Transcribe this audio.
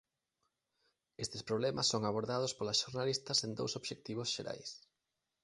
Estes problemas son abordados polas xornalistas en dous obxectivos xerais.